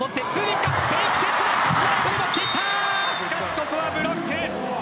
ここはブロック。